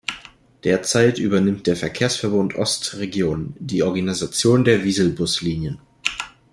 Derzeit übernimmt der Verkehrsverbund Ost-Region die Organisation der Wieselbus-Linien.